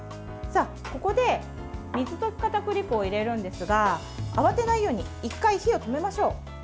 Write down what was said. ここで、水溶きかたくり粉を入れるんですが慌てないように１回、火を止めましょう。